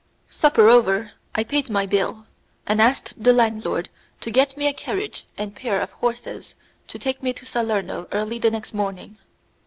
Supper over I paid my bill, and asked the landlord to get me a carriage and pair of horses to take me to Salerno early the next morning.